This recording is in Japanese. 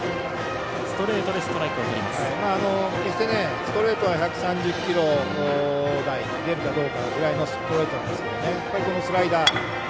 ストレートは１３０キロ台出るかどうかぐらいのストレートなんですけどね。